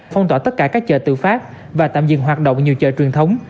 phong tỏa tất cả các chợ tự phát và tạm dừng hoạt động nhiều chợ truyền thống